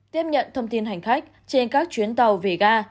tiếp nhận thông tin hành khách trên các chuyến tàu về ga